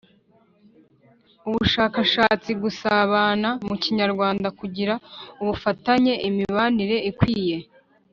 ubushakashatsi, gusabana mu Kinyarwanda, kugira ubufatanye, imibanire ikwiye